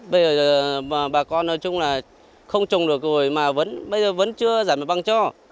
bây giờ bà con nói chung là không trồng được rồi mà vẫn chưa giảm mặt bằng cho